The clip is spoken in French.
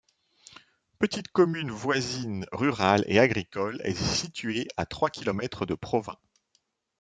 Petite commune voisine rurale et agricole, elle est située à trois kilomètres de Provins.